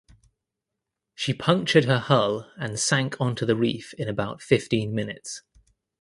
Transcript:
She punctured her hull and sank onto the reef in about fifteen minutes.